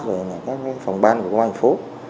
và các phòng ban của quân hành phố